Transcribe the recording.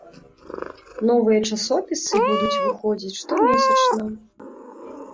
Новыя часопісы будуць выходзіць штомесячна.